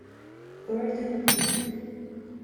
Gordon Beck